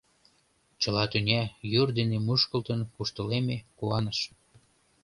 Чыла тӱня йӱр дене мушкылтын куштылеме, куаныш.